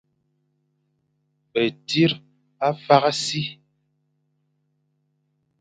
Betsir ba fakh si.